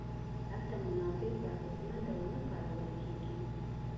هلته منابع په اغېزمن ډول نه کارول کیږي.